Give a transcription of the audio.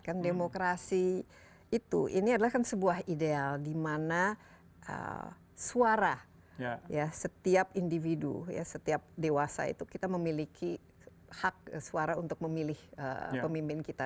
kan demokrasi itu ini adalah kan sebuah ideal di mana suara ya setiap individu ya setiap dewasa itu kita memiliki hak suara untuk memilih pemimpin kita